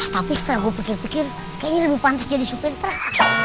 tapi setelah gue pikir pikir kayaknya lebih pantas jadi supir truk